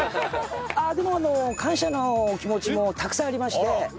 でも感謝の気持ちもたくさんありまして。